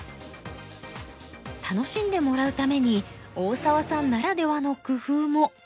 楽しんでもらうために大澤さんならではの工夫も。